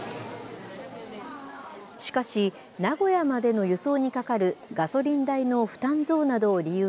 しかし、名古屋までの輸送にかかるガソリン代の負担増などを理由